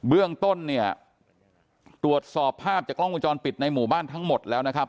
เบื้องต้นเนี่ยตรวจสอบภาพจากกล้องวงจรปิดในหมู่บ้านทั้งหมดแล้วนะครับ